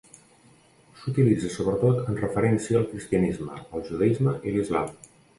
S'utilitza sobretot en referència al cristianisme, el judaisme i l'islam.